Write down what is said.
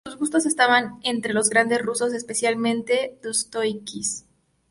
En cuanto a ficción, sus gustos estaban entre los grandes rusos, especialmente Dostoievski.